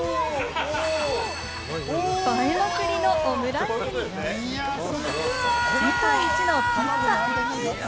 映えまくりのオムライスに、世界一のピザ。